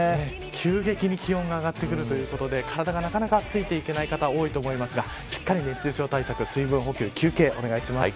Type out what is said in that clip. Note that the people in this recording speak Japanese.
急激に気温が上がってくるということ体がなかなかついていけない方多いと思いますが、しっかり熱中症対策、水分補給お願いします。